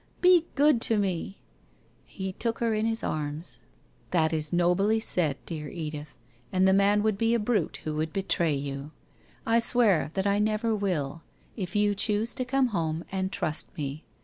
Be good to me !' He took her in his arms. ' That is nobly said, dear Edith, and the man would be a brute who would betray you! I swear that I never will, if you choose to come home and trust me.